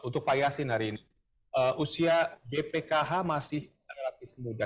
untuk pak yasin hari ini usia bpkh masih relatif muda